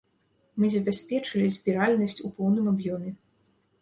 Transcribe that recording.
Мы забяспечылі збіральнасць у поўным аб'ёме.